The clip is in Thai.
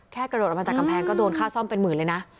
กระโดดออกมาจากกำแพงก็โดนค่าซ่อมเป็นหมื่นเลยนะ